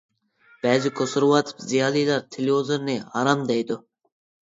بەزى كونسېرۋاتىپ زىيالىيلار تېلېۋىزورنى ھارام دەيدۇ.